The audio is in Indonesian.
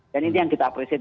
dan ini yang kita apresiasi